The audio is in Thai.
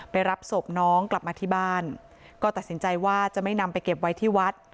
รับศพน้องกลับมาที่บ้านก็ตัดสินใจว่าจะไม่นำไปเก็บไว้ที่วัด